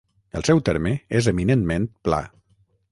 El seu terme és eminentment pla.